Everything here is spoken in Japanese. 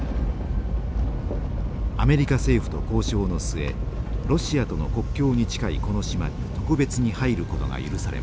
アメリカ政府と交渉の末ロシアとの国境に近いこの島に特別に入ることが許されました。